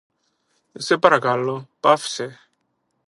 Σε παρακαλώ, παύσε!